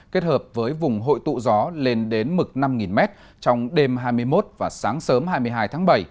kết hợp với vùng hội tụ gió lên đến mực năm m trong đêm hai mươi một và sáng sớm hai mươi hai tháng bảy